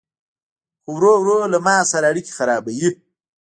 خو ورو ورو له ما سره اړيکي خرابوي